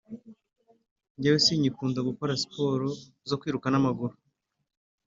Njyewe sinyikunda gukora siporo zo kwiruka n’amaguru